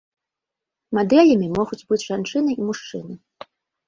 Мадэлямі могуць быць жанчыны і мужчыны.